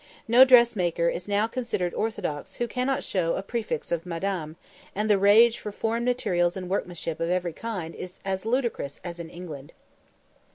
No dressmaker is now considered orthodox who cannot show a prefix of Madame, and the rage for foreign materials and workmanship of every kind is as ludicrous as in England.